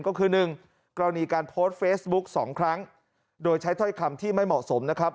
ก็คือหนึ่งกรณีการโพสต์เฟซบุ๊กสองครั้งโดยใช้ถ้อยคำที่ไม่เหมาะสมนะครับ